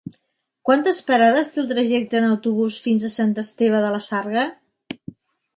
Quantes parades té el trajecte en autobús fins a Sant Esteve de la Sarga?